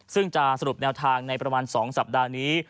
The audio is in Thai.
ซึ่งจะสรุปแนวทางในประมาณ๒สัปดาห์นี้